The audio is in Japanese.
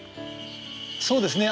そうですね。